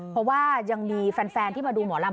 เพราะว่ายังมีแฟนที่มาดูหมอลำ